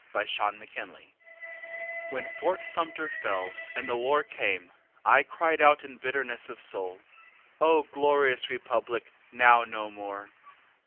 Jacob Goodpasture When Fort Sumter fell and the war came I cried out in bitterness of soul: "O glorious republic now no more!"